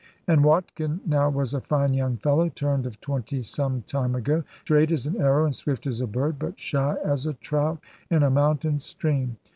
And Watkin now was a fine young fellow, turned of twenty some time ago, straight as an arrow, and swift as a bird, but shy as a trout in a mountain stream.